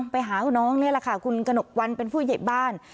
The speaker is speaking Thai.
ไปหาน้องนี่แหละค่ะคุณกระหนกวันเป็นผู้ใหญ่บ้าน